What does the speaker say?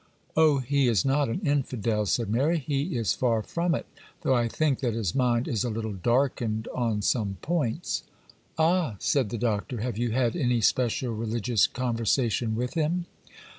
'Oh, he is not an infidel,' said Mary: 'he is far from it; though I think that his mind is a little darkened on some points.' 'Ah!' said the Doctor, 'have you had any special religious conversation with him?